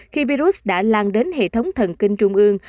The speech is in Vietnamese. khi virus đã lan đến hệ thống thần kinh trung ương